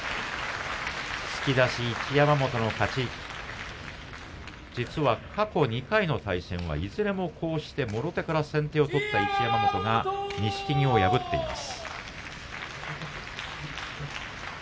突き出し、一山本の勝ち実は過去２回の対戦はいずれももろ手から先手を取った一山本が錦木を破っています。